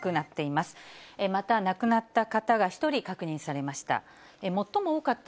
また亡くなった方が１人確認されました。